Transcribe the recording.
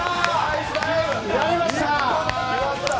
やりました。